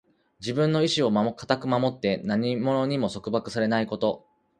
自分の意志を固く守って、何者にも束縛されないこと。